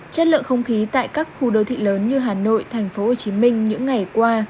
chất lượng không khí tại các khu đô thị lớn như hà nội tp hcm những ngày qua